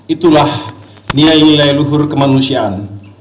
itulah nilai nilai luhur kemanusiaan